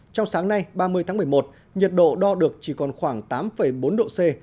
trong sáng nay ba mươi tháng một mươi một nhiệt độ đo được chỉ còn khoảng tám bốn độ c